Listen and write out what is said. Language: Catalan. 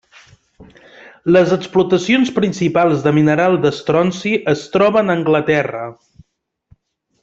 Les explotacions principals de mineral d'estronci es troben a Anglaterra.